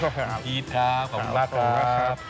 ขอบคุณครับขอบคุณมากครับ